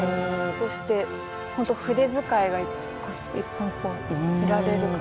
そしてホント筆遣いが一本一本見られる感じが。